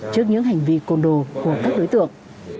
trước những hành vi côn đồ của các đối tượng